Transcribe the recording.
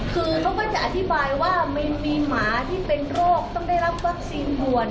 คือเขาก็จะอธิบายว่ามันมีหมาที่เป็นโรคต้องได้รับวัคซีนด่วน